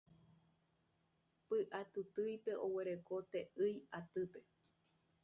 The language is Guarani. Py'atytýipe oguereko te'ỹi atýpe.